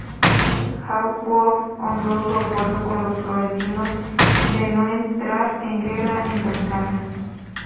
Hawkwood honró su acuerdo con los florentinos de no entrar en guerra en Toscana.